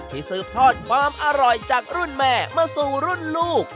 สืบทอดความอร่อยจากรุ่นแม่มาสู่รุ่นลูก